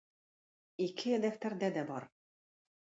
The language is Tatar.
Ике дәфтәрдә дә бар.